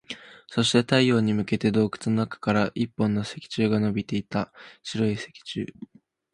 そして、太陽に向けて洞窟の中から一本の石柱が伸びていた。白い石柱。